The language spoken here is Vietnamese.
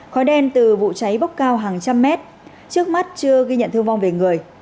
khói đen từ vụ cháy bốc cao hàng trăm mét trước mắt chưa ghi nhận thương vong về người